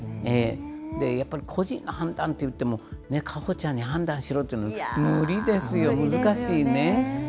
やっぱり個人の判断っていっても、佳歩ちゃんに判断しろっていうのは無理ですよ、難しいね。